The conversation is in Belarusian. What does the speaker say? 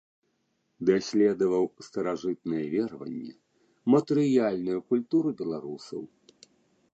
Даследаваў старажытныя вераванні, матэрыяльную культуру беларусаў.